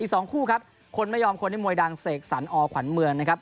สองคู่ครับคนไม่ยอมคนที่มวยดังเสกสรรอขวัญเมืองนะครับ